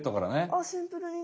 あっシンプルにね。